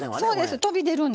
飛び出るんですよ。